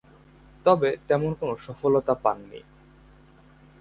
তবে তেমন কোন সফলতা পাননি।